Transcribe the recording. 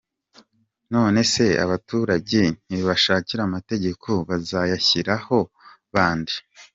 None se abaturage nibashira amategeko bazayashyiriraho bande?